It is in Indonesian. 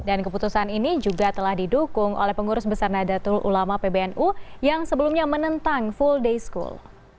dan keputusan ini juga telah didukung oleh pengurus besar nadatul ulama pbnu yang sebelumnya menentang full day school